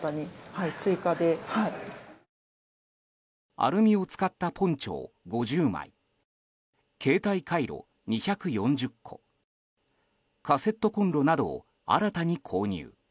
アルミを使ったポンチョを５０枚携帯カイロ２４０個カセットコンロなどを新たに購入。